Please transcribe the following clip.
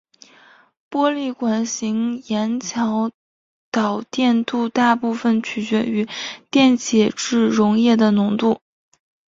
玻璃管型盐桥导电度大部分取决于电解质溶液的浓度。